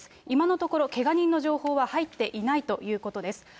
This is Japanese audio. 今のところ、けが人の情報は入っていないということです。